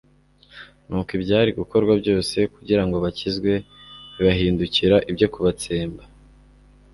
nuko ibyari gukorwa byose kugira ngo bakizwe bibahindukira ibyo kubatsemba.